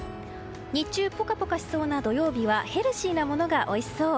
日中ポカポカしそうな土曜日はヘルシーなものがおいしそう。